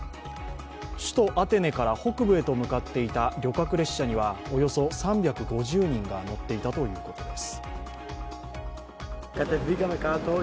首都アテネから北部へと向かっていた旅客列車にはおよそ３５０人が乗っていたということです。